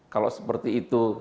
kalau seperti itu